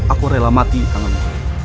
aku rela mati denganmu